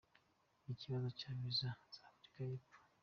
Ikibazo cya Visa za Afrika y’Epfo.